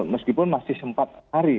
meskipun masih sempat hari